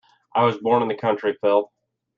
I was born in the country, Phil.